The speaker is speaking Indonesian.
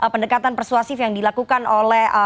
pendekatan persuasif yang dilakukan oleh